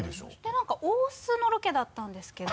何か大須のロケだったんですけど。